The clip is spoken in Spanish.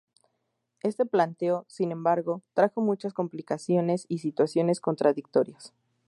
Este planteo, sin embargo, trajo muchas complicaciones y situaciones contradictorias.